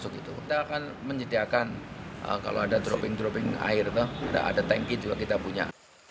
kita akan menyediakan kalau ada dropping dropping air ada tanki juga kita punya